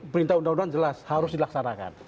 perintah undang undang jelas harus dilaksanakan